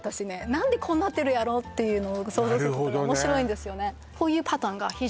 何でこうなってるやろう？っていうのをなるほどね想像すると面白いんですよね